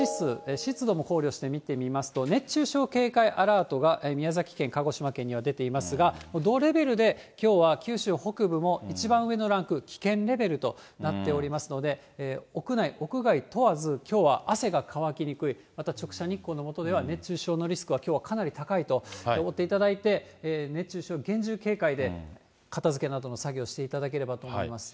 湿度も考慮して見てみますと、熱中症警戒アラートが宮崎県、鹿児島県には出ていますが、同レベルできょうは九州北部も一番上のランク、危険レベルとなっておりますので、屋内、屋外問わず、きょうは汗が乾きにくい、また直射日光のもとでは、熱中症のリスクはきょうはかなり高いと思っていただいて、熱中症に厳重警戒で、片づけなどの作業をしていただければと思います。